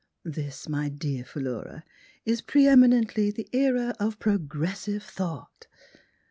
This, my dear Philura, is pre eminently the era of progress ive thought.